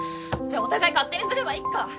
じゃあお互い勝手にすればいっか。